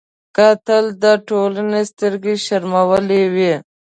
قاتل د ټولنې سترګې شرمولی وي